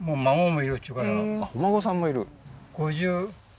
お孫さんも居る？